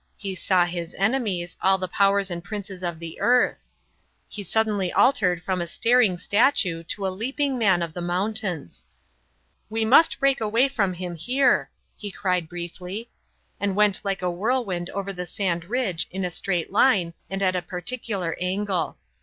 He saw his enemies, all the powers and princes of the earth. He suddenly altered from a staring statue to a leaping man of the mountains. "We must break away from him here," he cried, briefly, and went like a whirlwind over the sand ridge in a straight line and at a particular angle.